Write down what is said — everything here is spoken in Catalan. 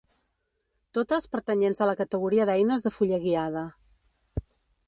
Totes pertanyents a la categoria d'eines de fulla guiada.